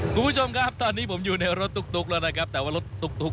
คุณผู้ชมครับตอนนี้ผมอยู่ในรถตุ๊กแล้วนะครับแต่ว่ารถตุ๊ก